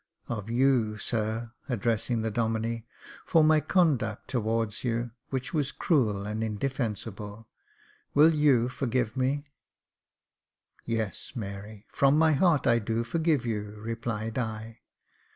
Of you, sir," addressing the Domine, " for my conduct towards you, which was cruel and indefensible, — will you forgive me ?"" Yes, Mary, from my heart, I do forgive you," replied I.